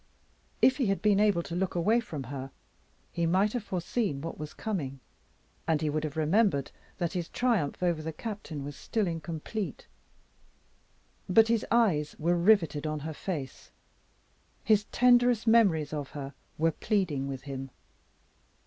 If he had been able to look away from her, he might have foreseen what was coming; and he would have remembered that his triumph over the Captain was still incomplete. But his eyes were riveted on her face; his tenderest memories of her were pleading with him.